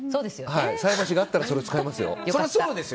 菜箸があったらそれを使いますよ。